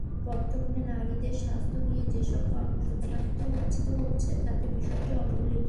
বর্তমানে নারীদের স্বাস্থ্য নিয়ে যেসব কর্মসূচি বাস্তবায়িত হচ্ছে, তাতেও বিষয়টি অবহেলিত।